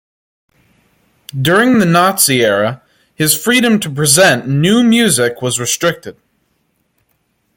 During the Nazi era, his freedom to present new music was restricted.